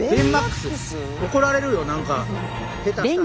怒られるよ何か下手したら！